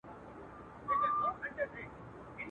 کرونا نه ده توره بلا ده.